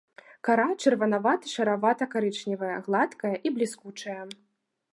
Кара чырванавата-шаравата-карычневая, гладкая і бліскучая.